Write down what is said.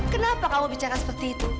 kenapa kalau bicara seperti itu